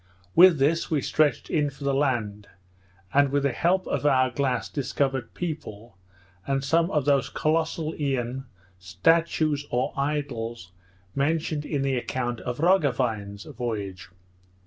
With this we stretched in for the land; and by the help of our glass, discovered people, and some of those Colossean statues or idols mentioned in the account of Roggewein's voyage.